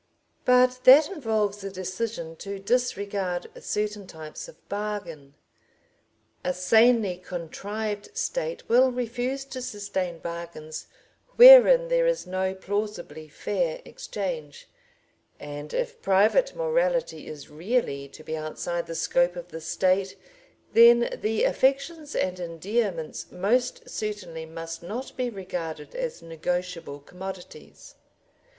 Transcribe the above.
But that involves a decision to disregard certain types of bargain. A sanely contrived State will refuse to sustain bargains wherein there is no plausibly fair exchange, and if private morality is really to be outside the scope of the State then the affections and endearments most certainly must not be regarded as negotiable commodities.